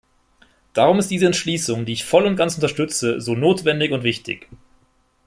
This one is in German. Darum ist diese Entschließung, die ich voll und ganz unterstütze, so notwendig und wichtig.